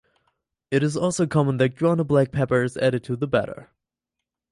It is also common that grounded black pepper is added to the batter.